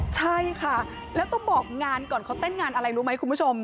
ใช่ค่ะแล้วต้องบอกงานก่อนเขาเต้นงานอะไรรู้ไหมคุณผู้ชม